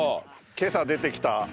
今朝出てきた。